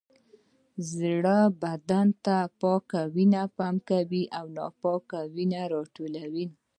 زړه بدن ته پاکه وینه پمپ کوي او ناپاکه وینه راټولوي